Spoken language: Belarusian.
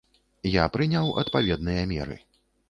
Я прыняў адпаведныя меры.